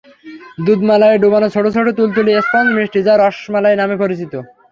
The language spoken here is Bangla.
দুধ মালাইয়ে ডুবানো ছোট ছোট তুলতুলে স্পঞ্জ মিষ্টি, যা রসমালাই নামে পরিচিতি।